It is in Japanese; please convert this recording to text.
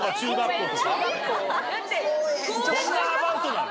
こんなアバウトなの？